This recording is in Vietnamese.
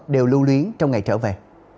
đều lưu luyến trong ngày trở về